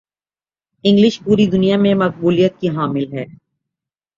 English پوری دنیا میں مقبولیت کی حامل ہے